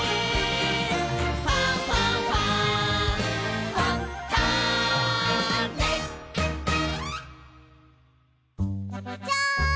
「ファンファンファン」ジャン！